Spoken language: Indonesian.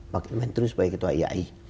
pak imantri sebagai ketua iai